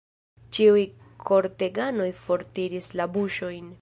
Ĉiuj korteganoj fortiris la buŝojn.